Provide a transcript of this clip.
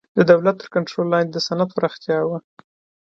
د دولت تر کنټرول لاندې د صنعت پراختیا وه